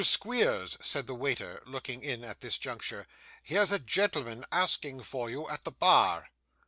Squeers,' said the waiter, looking in at this juncture; 'here's a gentleman asking for you at the bar.